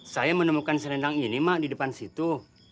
saya menemukan selendang ini mak di depan situ